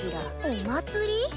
お祭り？